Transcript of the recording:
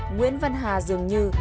nguyễn văn hà dường như